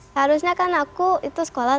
harusnya kan aku itu sekolah